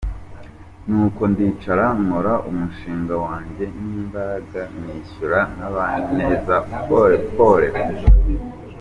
Nuko ndicara nkora umushinga wanjye n’imbaraga nishyura na Banki neza pole pole.